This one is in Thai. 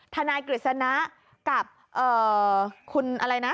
นายกฤษณะกับคุณอะไรนะ